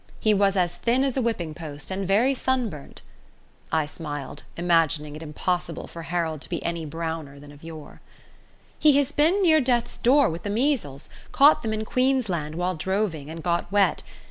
He was as thin as a whipping post, and very sunburnt [I smiled, imagining it impossible for Harold to be any browner than of yore]. He has been near death's door with the measles caught them in Queensland while droving, and got wet.